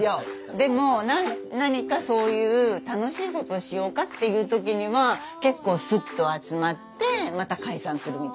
でも何かそういう楽しいことしようかっていう時には結構スッと集まってまた解散するみたいな。